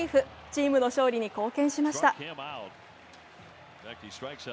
チームの勝利に貢献しました。